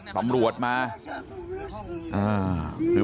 ตำรวจมันมา